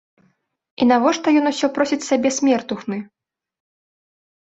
І навошта ён усё просіць сабе смертухны?